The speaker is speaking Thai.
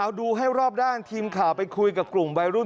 เอาดูให้รอบด้านทีมข่าวไปคุยกับกลุ่มวัยรุ่น